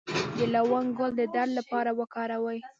د لونګ ګل د درد لپاره وکاروئ